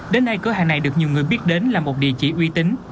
đến nay cửa hàng này được nhiều người biết đến là một địa chỉ uy tín